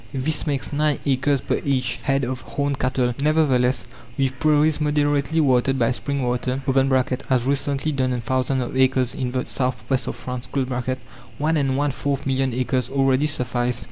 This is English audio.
This makes nine acres per each head of horned cattle. Nevertheless, with prairies moderately watered by spring water (as recently done on thousands of acres in the southwest of France), one and one fourth million acres already suffice.